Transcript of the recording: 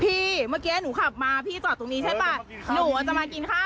เมื่อกี้หนูขับมาพี่จอดตรงนี้ใช่ป่ะหนูอาจจะมากินข้าว